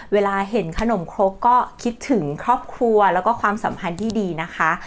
เวลาเห็นขนมครกก็คิดถึงครอบครัวแล้วก็ความสัมพันธ์ที่ดีนะคะ